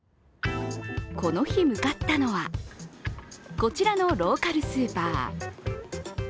この日、向かったのは、こちらのローカルスーパー。